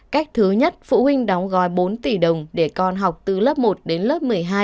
cách thứ nhất phụ huynh đóng gói bốn tỷ đồng để con học từ lớp một đến lớp một mươi hai